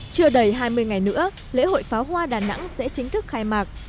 chưa đầy hai mươi ngày nữa lễ hội pháo hoa đà nẵng sẽ chính thức khai mạc